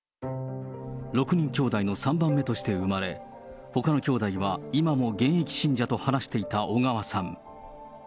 ６人きょうだいの３番目として産まれ、ほかのきょうだいは今も現役信者と話していた小川さん。